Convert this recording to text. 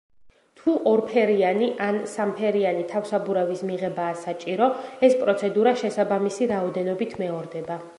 თუ ორ ფერიანი ან სამ ფერიანი თავსაბურავის მიღებაა საჭირო, ეს პროცედურა შესაბამისი რაოდენობით მეორდება.